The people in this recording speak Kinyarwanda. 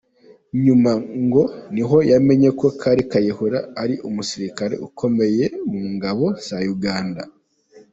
Nyuma ngo niho yamenye ko Kale Kayihura ari umusilikare ukomeye mu ngabo za Uganda.